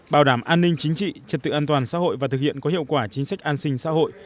bảo đảm an ninh chính trị trật tự an toàn xã hội và thực hiện có hiệu quả chính sách an sinh xã hội